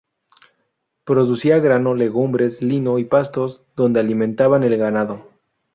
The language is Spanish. Producía grano, legumbres, lino y pastos donde alimentaba el ganado.